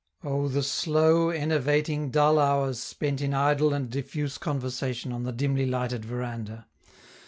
Oh, the slow, enervating, dull hours spent in idle and diffuse conversation on the dimly lighted veranda!